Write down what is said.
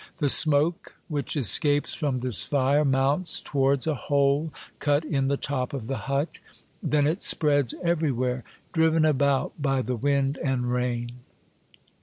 The smoke which escapes from this fire mounts towards a hole cut in the top of the hut; then it spreads everywhere, driven about by the wind and rain.